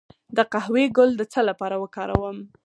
د قهوې ګل د څه لپاره وکاروم؟